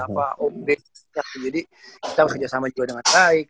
kita harus kerjasama juga dengan baik